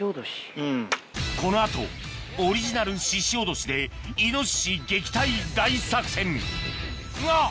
この後オリジナルししおどしでイノシシ撃退大作戦が！